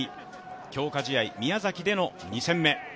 強化試合・宮崎での２戦目。